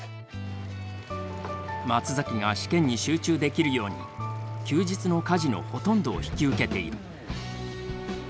松崎が試験に集中できるように休日の家事のほとんどを引き受けている。